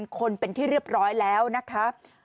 คนเป็นที่เรียบร้อยแล้วนะคะ